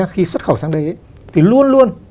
khi xuất khẩu sang đây thì luôn luôn